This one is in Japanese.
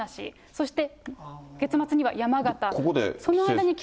そして月末には山形。